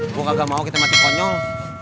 ibu gak mau kita mati konyol